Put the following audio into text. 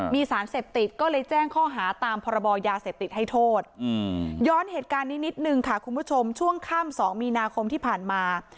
มีสารเสพติดก็เลยแจ้งข้อหาตามพรบยาเสพติดให้โทษย้อนเหตุการณ์นี้นิดนึงค่ะคุณผู้ชมช่วงค่ำ๒มีนาคมที่ผ่านมา